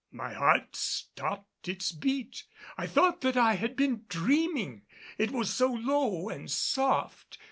My heart stopped its beat, I thought that I had been dreaming, it was so low and soft.